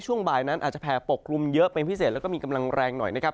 ช่วงบ่ายนั้นอาจจะแผ่ปกคลุมเยอะเป็นพิเศษแล้วก็มีกำลังแรงหน่อยนะครับ